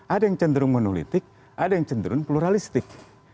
ada yang cenderung monolitik ada yang cenderung pluralistik